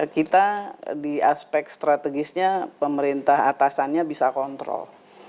kita di aspek strategisnya pemerintah atasannya bisa kontrol